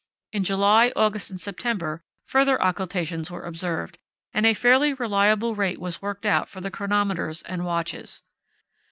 In July, August, and September further occultations were observed, and a fairly reliable rate was worked out for the chronometers and watches.